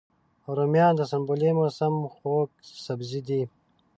رومیان د سنبلې موسم خوږ سبزی دی